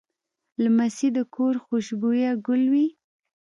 لمسی د کور خوشبویه ګل وي.